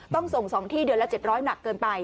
ต้องส่ง๒ที่เดือนละ๗๐๐หนักเกินไป